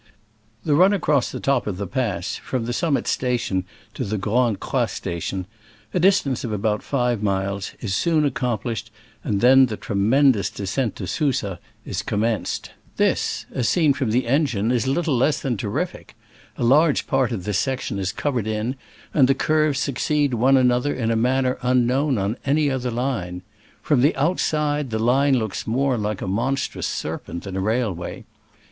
The run across the top of the pass, from the Summit station to the Grande Croix station — a distance of about five miles — is soon accomplished, and then the tremendous descent to Susa is com menced. This, as seen from the engine, Digitized by Google 34 SCRAMBLES AMONGST THE ALPS IN iS6(> '69. is little less than terrific. A large part of this section is covered in, and the curves succeed one another in a man ner unknown on any other line. From the outside the line looks more like a monstrous serpent than a railway.